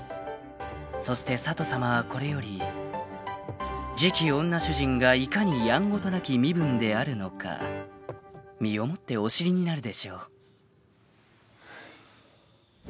［そして佐都さまはこれより次期女主人がいかにやんごとなき身分であるのか身をもってお知りになるでしょう］